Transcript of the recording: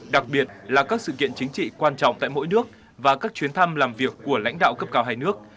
đặc biệt là các sự kiện chính trị quan trọng tại mỗi nước và các chuyến thăm làm việc của lãnh đạo cấp cao hai nước